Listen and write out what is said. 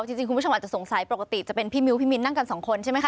จริงคุณผู้ชมอาจจะสงสัยปกติจะเป็นพี่มิ้วพี่มิ้นนั่งกันสองคนใช่ไหมค